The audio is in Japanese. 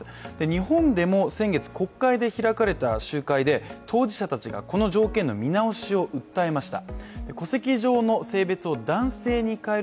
日本でも先月、国会で開かれた集会で当事者たちがこの条件の見直しを訴えました。